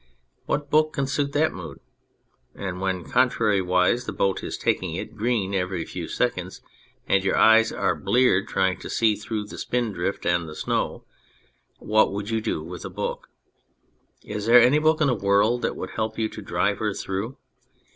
What book can suit that mood ? And when, contrariwise, the boat is taking it green every few seconds, and your eyes are bleared trying to see through the spindrift and the snow, what would you do with a book is there any book in the world that would help you to drive her through